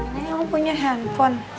neneng kamu punya handphone